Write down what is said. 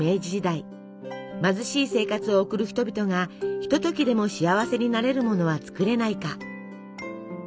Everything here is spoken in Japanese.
貧しい生活を送る人々がひとときでも幸せになれるものは作れないか？